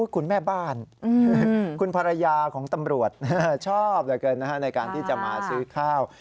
คุณแม่บ้านคุณภรรยาของตำรวจชอบเหลือเกินในการที่จะมาซื้อข้าว